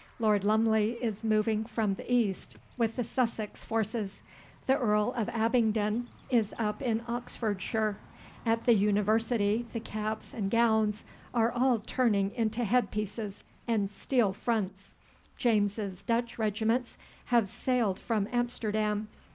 Lord Lumley is moving from the east with the Sussex forces. The Earl of Abingdon is up in Oxfordshire. At the university the caps and gowns are all turning into head pieces and steel fronts. James's Dutch regiments have sailed from Amsterdam.